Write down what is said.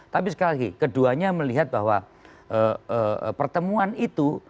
tapi sekali lagi keduanya melihat bahwa pertemuan itu